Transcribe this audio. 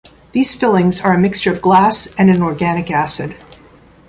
These fillings are a mixture of glass and an organic acid.